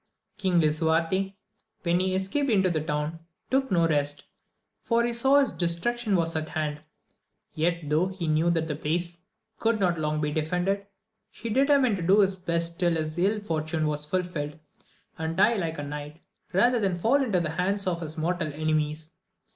King Lisuarte, lyhen he escaped into the town, took no rest, for he saw his destruction was at hand, yet, though he knew that the place could not long be defended, he determined to do his best till his ill fortune was fulfilled, and die like a knight, rather than fall into the hands of his mortal enemies.